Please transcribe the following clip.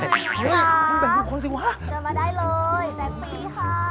แจกฟรีค่ะมึงเป็นคนสิวะจะมาได้เลยแจกฟรีค่ะ